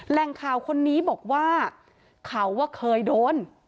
แหล่งข่าวคนนี้บอกว่าเขาเคยโดน